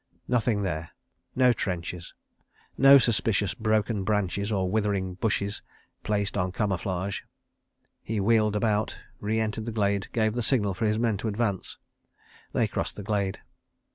... Nothing there. No trenches. No suspicious broken branches or withering bushes placed en camouflage. He wheeled about, re entered the glade, and gave the signal for his men to advance. They crossed the glade.